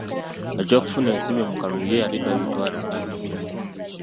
Eby'okufuna ensimbi mu kalulu ye yali tabitwala nga bikulu.